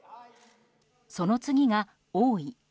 その次が王位。